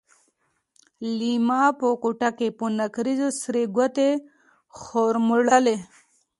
ليلما په کوټه کې په نکريزو سرې ګوتې مروړلې.